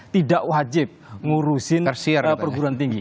tidak wajib ngurusin perguruan tinggi